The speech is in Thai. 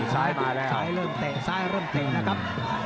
ซ้ายเริ่มเตะตอนด้านชั้น